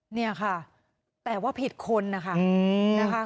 เนี่ยค่ะแต่ว่าผิดคนนะคะ